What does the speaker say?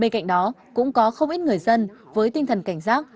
bên cạnh đó cũng có không ít người dân với tinh thần cảnh giác